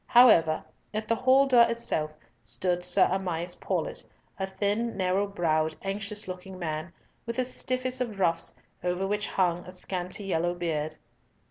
However, at the hall door itself stood Sir Amias Paulett, a thin, narrow browed, anxious looking man, with the stiffest of ruffs, over which hung a scanty yellow beard.